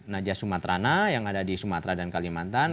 naja sumatrana yang ada di sumatra dan kalimantan